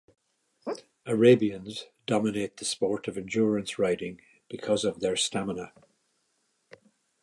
Arabians dominate the sport of endurance riding because of their stamina.